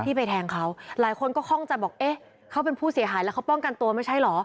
ไปแทงเขาหลายคนก็คล่องใจบอกเอ๊ะเขาเป็นผู้เสียหายแล้วเขาป้องกันตัวไม่ใช่เหรอ